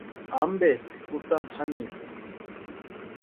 ¿Ampeeski kutsanta janikwa?